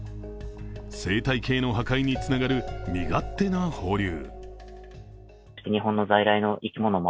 生態系の破壊につながる身勝手な放流。